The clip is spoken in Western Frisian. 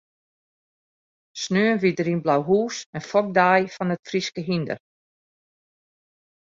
Sneon wie der yn Blauhûs in fokdei fan it Fryske hynder.